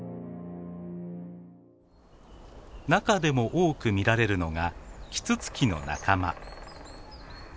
中でも多く見られるのがキツツキの仲間。